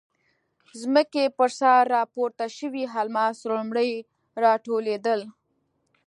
ځمکې پر سر راپورته شوي الماس لومړی راټولېدل.